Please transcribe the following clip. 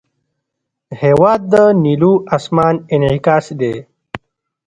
هېواد د نیلو آسمان انعکاس دی.